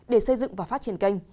để xây dựng và phát triển kênh